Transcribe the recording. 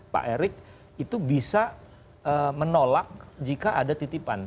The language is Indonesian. pak erick itu bisa menolak jika ada titipan